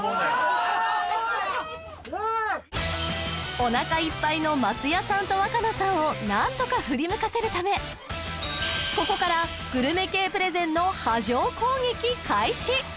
お腹いっぱいの松也さんと若菜さんを何とか振り向かせるためここからグルメ系プレゼンの波状攻撃開始！